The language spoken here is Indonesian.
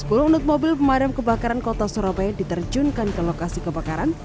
sepuluh unit mobil pemadam kebakaran kota surabaya diterjunkan ke lokasi kebakaran